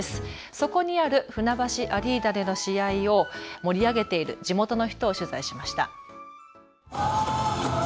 そこにある船橋アリーナでの試合を盛り上げている地元の人を取材しました。